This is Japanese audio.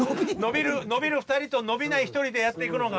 伸びる２人と伸びない１人でやっていくのが。